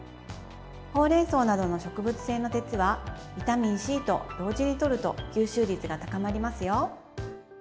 ほうれんそうなどの植物性の鉄はビタミンＣと同時にとると吸収率が高まりますよ。